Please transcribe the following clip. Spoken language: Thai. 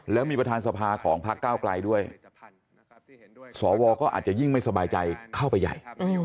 แล้วมีประธานสภาของพักเก้าไกลด้วยสวก็อาจจะยิ่งไม่สบายใจเข้าไปใหญ่